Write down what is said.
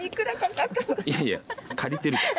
いやいや借りているから。